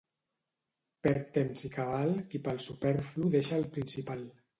Perd temps i cabal qui pel superflu deixa el principal.